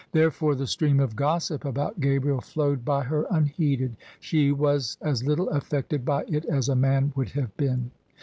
Therefore the stream of gossip about Gabriel flowed by her THE SUBJECTION unheeded: she was as little affected by it as a man would have been.